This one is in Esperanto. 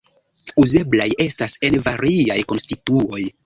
Uzeblaj estas en variaj konstituoj.